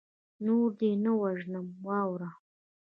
نور دې نه وژنمه واوره